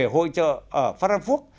hội chợ ở frankfurt